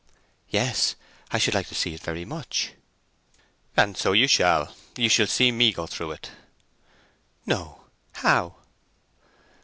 "Yes; I should like to see it very much." "And so you shall; you shall see me go through it." "No! How?"